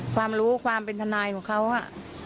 ความรู้ความเป็นทนายของเขาอ่ะ